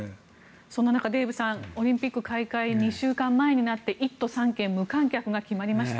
そんな中、デーブさんオリンピック開会２週間前になって１都３県無観客が決まりました。